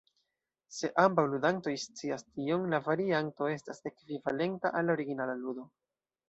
Se ambaŭ ludantoj scias tion, la varianto estas ekvivalenta al la originala ludo.